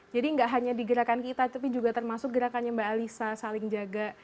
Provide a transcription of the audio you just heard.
jadi gak hanya di gerakan kita tapi juga termasuk gerakannya mbak alisa saling jaga